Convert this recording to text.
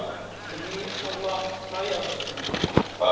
demi allah saya bersumpah